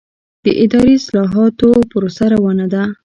د اداري اصلاحاتو پروسه روانه ده؟